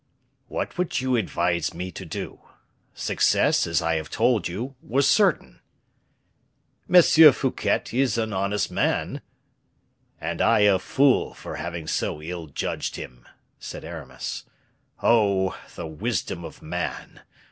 "What would you advise me to do? Success, as I have told you, was certain." "M. Fouquet is an honest man." "And I a fool for having so ill judged him," said Aramis. "Oh, the wisdom of man!